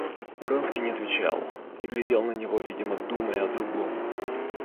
Вронский не отвечал и глядел на него, видимо, думая о другом.